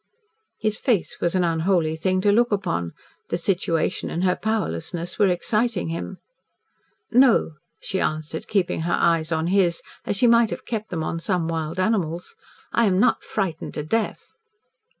His face was an unholy thing to look upon. The situation and her powerlessness were exciting him. "No," she answered, keeping her eyes on his, as she might have kept them on some wild animal's, "I am not frightened to death."